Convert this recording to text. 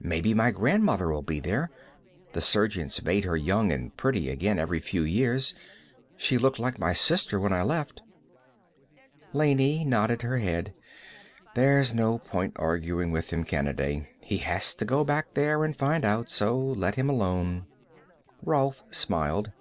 Maybe my grandmother'll be there. The surgeons made her young and pretty again every few years; she looked like my sister when I left." Laney nodded her head. "There's no point arguing with him, Kanaday. He has to go back there and find out, so let him alone." Rolf smiled.